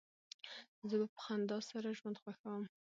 زه په خندا سره ژوند خوښوم.